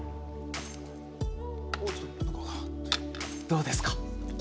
どうですか？